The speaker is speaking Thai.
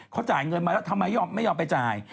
เขาจ่ายเงินมาแล้วทำไมไม่ยอมไปจ่าย